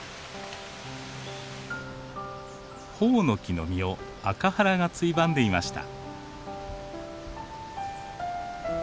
ホオノキの実をアカハラがついばんでいました。